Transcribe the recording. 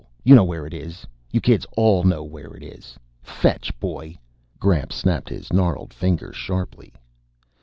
You know where it is. You kids all know where it is. Fetch, boy!" Gramps snapped his gnarled fingers sharply.